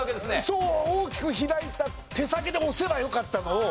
そう「大きく開いた手提げ」で押せばよかったのを。